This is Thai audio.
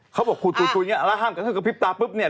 เขาบอกคุดคุดคุยอย่างเนี่ยแล้วห้ามกระทั่งกระพริบตาปุ๊บเนี่ย